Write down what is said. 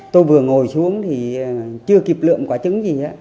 tôi vừa ngồi xuống thì chưa kịp lượm quả trứng gì